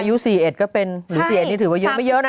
อายุ๔เอ็ดก็เป็นอายุ๔เอ็ดนี่ถือว่าเยอะไม่เยอะนะ